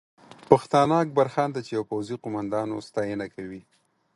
پښتانه اکبرخان ته چې یو پوځي قومندان و، ستاینه کوي